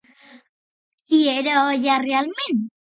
Qui era allà realment?